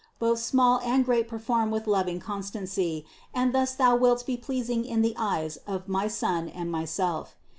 Both small and great per form with a loving constancy and thus thou wilt be pleas ing in the eyes of my Son and myself.